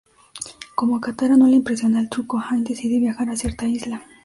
Como a Katara no le impresiona el truco, Aang decide viajar a cierta isla.